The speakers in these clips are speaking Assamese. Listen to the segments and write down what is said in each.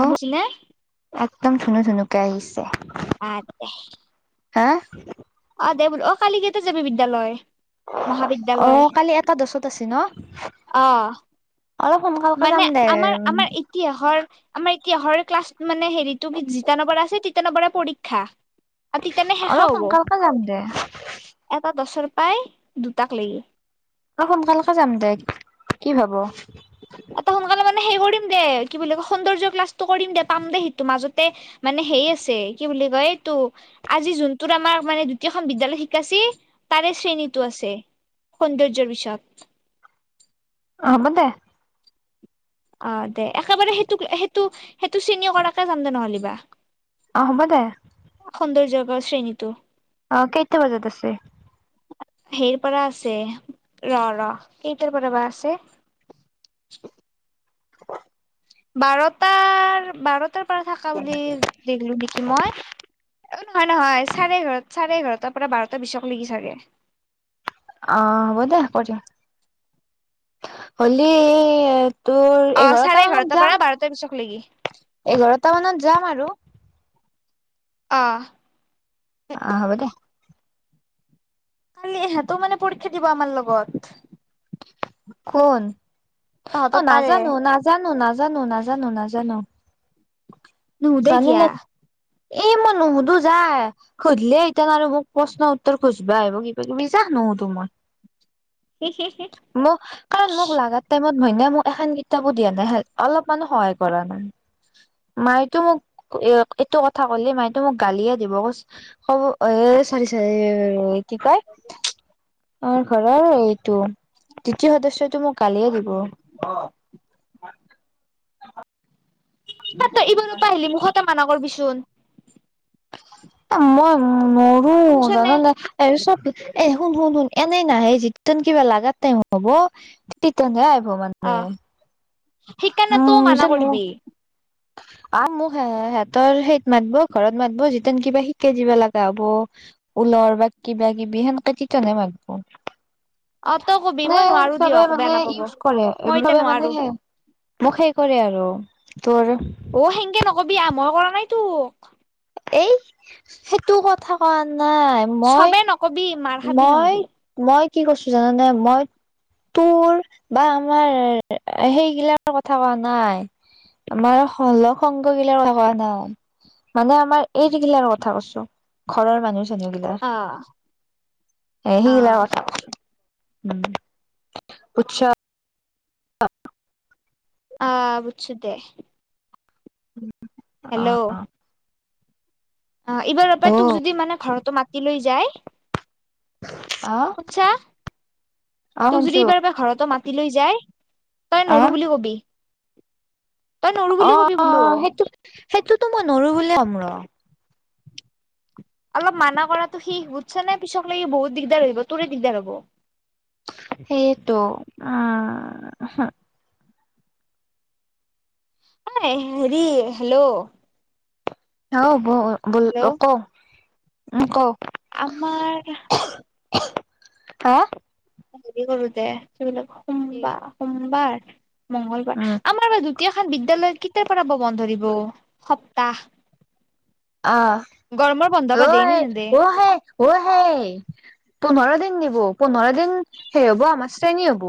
আম হৈছেনে? একদম ধুনু ধুনুকৈ আহিছে। হা। অ দে বোলো অ কালি কেইটাত যাবি বিদ্যালয়। অ মহাবিদ্যালয় হে কালি এটা দছত আছে ন আহ। অলপ সোনকালকে যাম মানে দে আমাৰ আমাৰ ইতিহাসৰ আমাৰ। ইতিহাসৰ ক্লাছ মানে হেৰিটো জেইতা নম্বৰ আছে সেইতা নম্বৰে পৰীক্ষা। আৰু তেতিয়ানোন শেষে অলপ সোনকালকে যাম দে হব এটা দহ। পাই দুটাক লাগিল। অ সোনকালকে যাম দে কি ভাব। এটা সোনকালে মানে সেই কৰিম দে কি বুলি কয় সৌন্দৰ্য ক্লাটো কৰিম দে পাম দে সেইটো মাজতে মানে হেই আছে কি বুলি কয়। আজি যোনটো আমাৰ মানে দ্বিতীয়খন বিদ্যালয় শিকাইছেতাৰে শ্ৰেণীটো আছে। সৌন্দৰ্যৰ বিষয়ক। আহ হ'ব দে। অ দে একেবাৰে সেইটোক সেইটো সেইটো শ্ৰেণী কৰাকে যাম দে নহ'লেবা। আহ হ'ব দে। শ্ৰেণীটো। অ কেইটা বজাত আছে? হেৰিৰ পৰা আছে ৰ ৰ কেইটাৰ পৰা বা আছে। [unintelligible] অ বাৰটাৰ বাৰ পৰা থাকা বুলি দেখিলোঁ নেকি মই অ নহয় নহয় চাৰে ঘৰত চাৰে ঘৰত বাৰটাৰ পৰা বাৰটা বিছক লৈকে চাগে অ হ' ব দে হ'ব এতিয়া হলেই তোৰ চাৰে এঘাৰটা মানত এঘাৰটাৰ পৰা যাম বাৰটা বিশক লেগি এঘাৰটা মানত যাম আৰু অ অ হব দে কালি হেঁতও মানে পৰীক্ষা দিব আমাৰ লগত কোন অ তহঁতৰ তাৰে নাজানো নাজানো নাজানো। নাজানো নাজানো নাজানো ন উদ জানিলে কিয়া [unintelligible] এই মই নুসুধো যা সুধিলে এতিান আৰু মোক প্ৰশ্ন উত্তৰ খোজিবা আহিব কিবা কিবি যানো উ তোম [inaudible] মোক কাৰণ মোক লাগাত টাইমত মে মোক এখন কিতাপো দিয়া নাই অলপমানানো সহায় কৰা নাই। [inaudible] মায়টো মোক এ এইটো কথা কলে মায় তো মোক গালিয়ে দিব কব এ চাৰি স কি কয় ঘৰৰ এইটো দ্বিতীয় সদস্যটো মোক কালিয়ে দিব। পাতই ইব নো পাই আহিলি মুখতে মানা কৰবি চোন। মই নৰো শুনছনে জান নে এই চত এ শুন শুন শুন এনেই নাহে যিন কিবা লাগাত তাইম হব চন তেতিয়ানহে অ মানে সেইকাৰণে তই উম মানা যেন মোক কৰিবি। আ মোক সিহঁতৰ হ সেইত মাতব ঘৰত মাতব যিতিন কিবা শিকাই দিবা লগা হব ফুলৰ বা কিবা কিবি সেনকেতিতনে মানবোৰ [inaudible] তই কবি মই মানে নোৱাৰো চবে দিয়ক বেয়া মানে নাপাব ইউজ কৰে মই এতিয়া চবে নোৱাৰো মানে মুখে কৰে আৰু তোৰ অ সেনকে নকবি আ মই কৰা নাই তোক। এই সেইটো কথা কোৱা নাই। মই চবে নকবি মাৰ খাবি মই নহলি মই কি কছো জানানে? মই তোৰ বা আমাৰ সেইগিলাক কথা কোৱা নাই আমাৰ শলগ সংগগিলাৰ কথা কোৱা নাই মানে আমাৰ এইগিলাৰ কথা কৈছো ঘৰৰ মানুহ গিলা অ সি অ গিলা উম পুছা? অ বুচ দে। হেল্ল' অ এইবাৰৰ আপ্পাই অ তোক যদি মানে ঘৰতো মাতি লৈ যায় অ কুছা তোক যদি শুনছো এইবাৰ বা ঘৰতো মা লৈ যায় তই অ নৰো বুলি কবি। তই নৰো বুলি অ কবি বোলো সেইটো সেইটোতো মই নৰো বুল আম ৰ। অলপ মানা কৰাটো শেষ বুজছা নে পিছক লাগি বহুত দিগদাৰ হব তোৰে দিগদাৰ হব। সেইটো আহ হ হ হেৰি হেল্ল' হ ব হেল্ল' কওঁ কওঁ আমাৰ হা হেৰি কৰো দে সবিলাক সোমবাৰ সোমবাৰ মংগলবাৰ উম আমাৰ বা দুতীয়া খান বিদ্য়ালয় কেটাৰ পৰা ব বন্ধ ধৰিব? সপ্তাহ আহ গৰমৰ বন্ধ বা দেই নে অ'হে, নেদে অ' হে, অ' হে পোন্ধৰ দিন নিব পোন্ধৰ দিন সেই হব আমাৰ শ্ৰেণী হ'ব।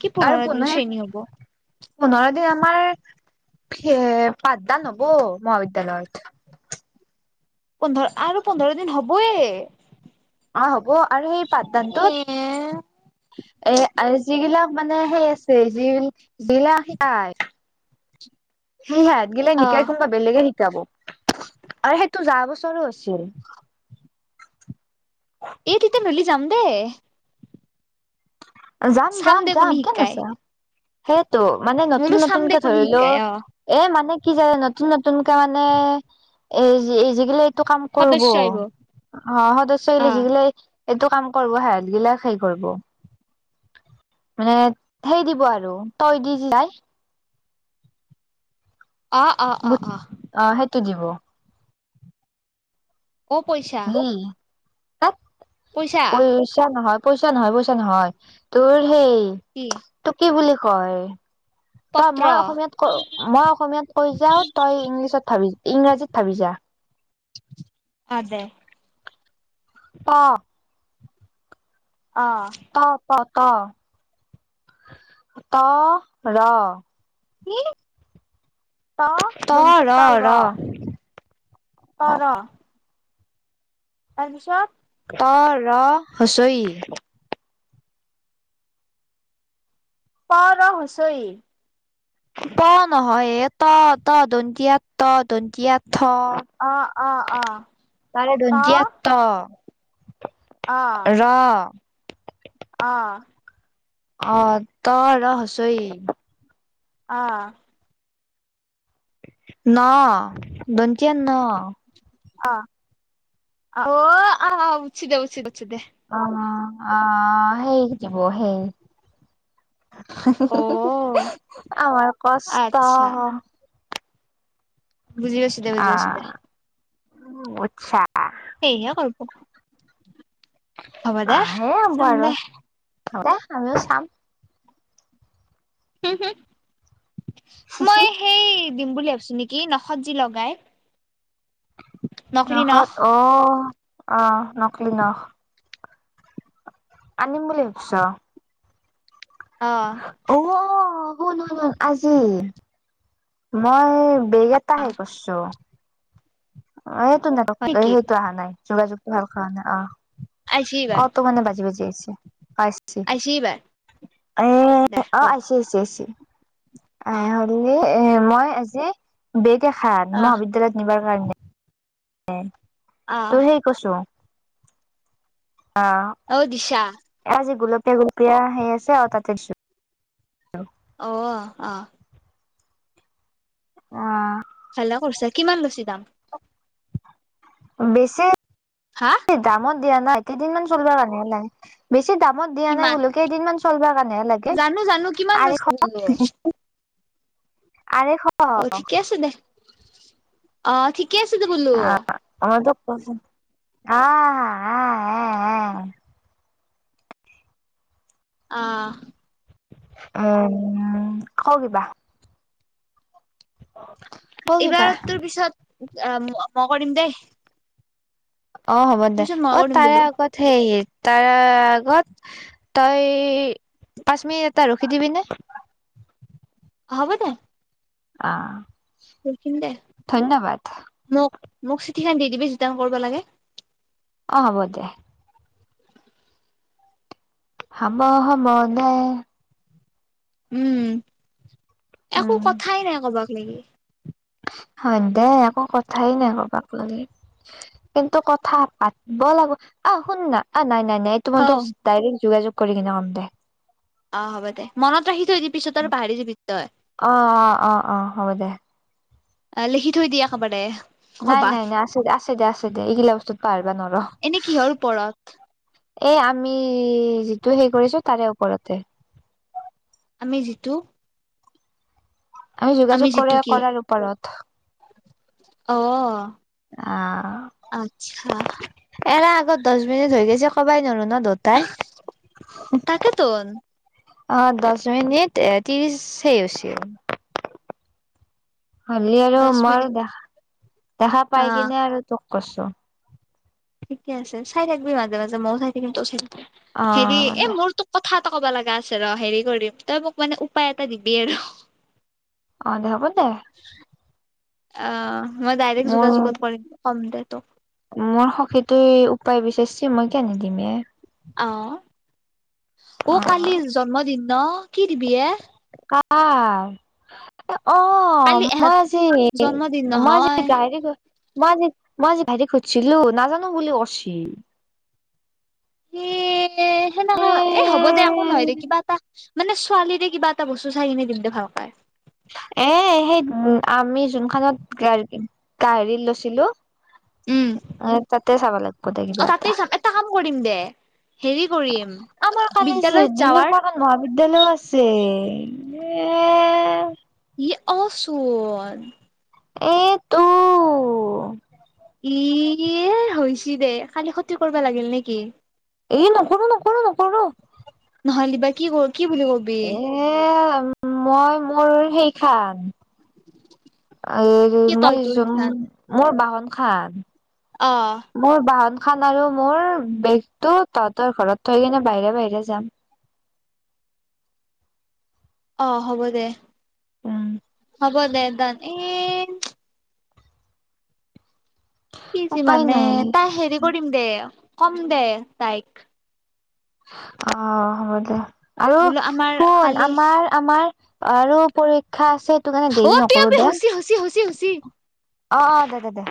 কি আৰু পোন্ধৰ দিন পনে শ্ৰেণী হ'ব পোন্ধৰ দিন আমাৰ এ পাঠদান হব মহাবিদ্যয়ালয়ত। পোন্ধৰ আৰু পোন্ধৰ দিন হবয়ে? অ হ'ব আৰু সেই এ পাঠদানটোত এ যিগিলাক মানে সেই আছে জি জিলা হিয়াই সে হাত গিলে অ নিকাই কোনোবা বেলেগে শিকাব আৰু সেইটো যা বছৰো আ হৈছিল। এই তেতিয়া মিলি যাম দে। যাম চাম যাম দে যাম কোনে কিয় শিকাই নাজাম। সেইটো মানে নতুন মোলো চাম দে নতুনকে কোনে ধৰিলো, শিকাই অ এ মানে কি যায় নতুন নতুনকে মানে, এই এই যিগিলা এইটো কাম কৰব, সদস্য আহিব সদস্য অ যিগিলা- এইটো কাম কৰিব হাহল গিলাক সেই কৰিব। মানে সেই দিব আৰু তই দি যাই। অ অ অ অ। দিব। অ' পইচা। হি তাত পইচা নহয় পইচা নহয় পইচা নহয়। তোৰ সেই কি তোক কি বুলি কয়? তই পত্ৰ মই অসমীয়াত কৈ মই অসমীয়াত কৈ যাও, তই ইংলিছত ভাবি। ইংৰাজীত ভাবিছা? অ দে। অঁ। অ ত প ত ত ৰা। কি? ত দৈন্ত ৰ ত আৰু ৰ ৰ। তাৰপিছত। ত ৰ হচৈ। প, ৰ, হুচই। ব নহয়, ত ত দণ্ডিয়া ত দণ্ডিয়া ত। থ, অ অ অ তাৰে ত দন্ত্য থ। ৰ। অহ। অ 'ত' 'ৰ' ই। অহ। 'ন' দন্ত্যিয় ন। অ অ অ উচিদে উচিত উচ দে। অ অ সেই য ব সেই। অ আমাৰ কষ্ট। আচ্ছা বুজি আছ দে বুজি আছ দে। আটচ্ছা। সেয়ে কৰব, হব দে অ', সেই হ'ব চাম আৰু দে। দে আমিও চাম। মই সেই, দিম বুলি ভাবিছো নেকি নখত যি লগাই। নকলি নখ নখত অ আহ নকলি নখ আনিম বুলি ভাবিছ আহ্ অ শুনু আজি মই বেগ অ এটাহে কৰিছো সেইটো ন হয় নেকি সেইটো অহা নাই যোগাযোগতটো ভাল খোৱা নাই অ আহিছি এইবাৰ অত মানে বাজি বাজি আহিছে আছে আহিছি এইবাৰ এ অ আছে আইছে আইছে আহ হলে এ মই আজি বেক এখাত আহ মহাবিদ্যয়ালয়ত নিবাৰ কাৰণে আহ তোৰ সেই কৈছো অ আজি গুলপ পিয় সেই আছে আৰু তাতে দিছো অ আহ। অ। হেলা কৰিছা কিমান লৈছে দাম বেছি হা দামত দিয়া নাই কেইদিনমান চলিবৰ কাৰনে বেছি দামত দিয়া কিমান নাই বোলো কেইদিনমান চলিব কাৰণেহে লাগে জানো জানো কিমান লৈছে বোলো আঢ়েশ আঢ়েশ অ ঠিকে আছে দে অ ঠিকে আছে টো বোলো আ অ উম কওঁ কিবা ক কিবা এইবাৰ তোৰ পিছত মই কৰিম দেই অ হ'ব তোৰ দে পিছত মই অ কৰিম তাৰে বোলো আগত সেই তাৰ আগত তই পাঁচ মিনিট এটা ৰখি দিবিনে হব দে আ ৰখিম দে মোক মোক ঠিক দি দিবি ৰিতাৰ্ণ কৰিব লাগে অ' হব দে হব হব দেই উম একো উম কথাই নাই কবাক লাগি হয় দেই একো কথাই নাই কবাক লাগি কিন্তু কথা পাতিব লাগিব অ শুন না অ নাই নাই নাই অ তোমাৰতোক ডাইৰেক্ট যোগাযোগ কৰি কিনে কম দে অ হ'ব দে মনত ৰাখি থৈ দিবি পিছত আৰু পাহৰি যাবি তই অ অ অ অ হ'ব দে অ লিখি থৈ দিয়া একবাৰে নাই নাই নাই আছে আছে দে আছে দে এইগিলা বস্তু এনেই কিহৰ ওপৰত এই আমি যিটো হেৰী কৰিছো তাৰে ওপৰতে আমি যিটো আমি যোগাযোগ কৰি যিটো কি কৰাৰ ওপৰতৰ অ আহ আ এৰা আগত দহ মিনিট হৈ গৈছে কবাই নোৱাৰো ন দুইতাই তাকে টো অ দহ মিনিট ত্ৰিছ সেই হৈছিল হলে আৰু দহ আমাৰ মিনিট দেখা দেখা অ পাই কিনে আৰু তোক কৈছো ঠিকে আছে চাই থাকিবি মাজে মাজে ময়ো চাই থাকিম তই চাই থাকি অ হেৰি হ'ব এই দে মোৰ তোক কথা ক'ব লগা আছে ৰ হেৰি কৰিম তই মোক মানে উপায় এটা দিবি আৰু অ দে হ'ব দে। অ মই ডাইৰেক্ট মোৰ যোগাযোগত কৰিম কম দে তোক। মোৰ সখীটোৱে উপায় বিচাৰিছে মই কে নিদিম এ। অ মোৰ কালি জন্মদিন ন কি দিবি এ। কাৰ। অ কালি এহঁত মই যে মই জন্মদিন আজি নহয় গাইৰি। মই আজি মই আজি ভাইটিক শুধিছিলো নাজানো বুলি কৈছি। এ সেনেকা এ হ'ব দে আকৌ নহয় দে কিবা এটা। মানে ছোৱালীৰে কিবা এটা বস্তু চাই কিনে দিম দে ভাল কে। এ সেই আমি যোনখনত গা গাৰি লৈছিলো। উম এ তাতে চাব লাগিব দে অ কিবা এটা। তাতেই চাম কাম কৰিম দে হেৰি কৰিম আমাৰ কালি বিদ্যালয়ত দুই যাৱাৰ নম্বৰ মান মহাবিদ্যয়ালয়ও আছে। এ! ই আচল। এ তো! ইছি দেই কালি কতি কৰিবা লাগিল নেকি? এই নকৰো নকৰো নকৰো। নহ'লে বা কি কৰ। এ মই মোৰ সেই খা এই কি তই মই তোৰ নিচিনাত মোৰ বাহন খান। অ মোৰ বাহন। খান আৰু মোৰ বেগতটো তহতৰ ঘৰত থৈ কিনে বাহিৰে বাহিৰে যাম। আহ হ'ব দে। উম। হব দোইদানে এই। কিজি উপায় মানে নাই তাই হেৰি কৰিম দে কম দে তাইক। অ হ'ব দে আৰু বোলো আমাৰ শুন কালি আমাৰ আমাৰ। আৰু পৰীক্ষা। সেইটো কাৰণে অ দেৰি আপি নকৰো আপি দে হচি হচি হচ হুচি। অ দে দে।